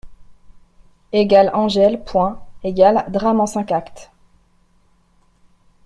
=Angèle.= Drame en cinq actes.